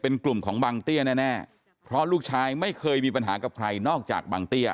เป็นกลุ่มของบังเตี้ยแน่เพราะลูกชายไม่เคยมีปัญหากับใครนอกจากบางเตี้ย